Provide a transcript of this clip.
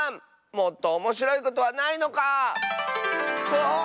もっとおもしろいことはないのか⁉ああっ。